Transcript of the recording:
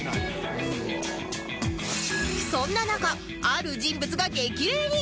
そんな中ある人物が激励に！